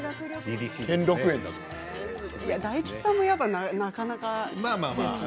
大吉さんもなかなかですね。